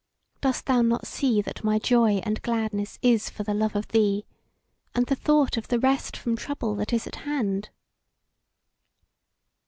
Dost thou not see that my joy and gladness is for the love of thee, and the thought of the rest from trouble that is at hand?"